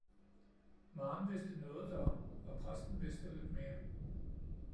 Maren vidste noget derom, og præsten vidste lidt mere